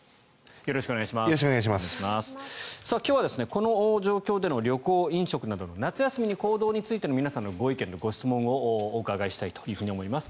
今日はこの状況での旅行・飲食などの夏休みの行動についての皆さんのご意見とご質問をお伺いしたいと思います。